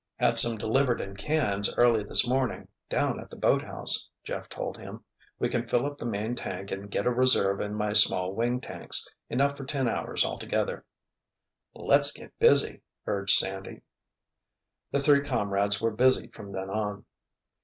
"Had some delivered in cans early this morning—down at the boathouse," Jeff told him. "We can fill up the main tank and get a reserve in my small wing tanks—enough for ten hours altogether." "Let's get busy!" urged Sandy. The three comrades were busy from then on.